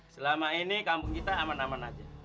selama ini kampung kita aman aman aja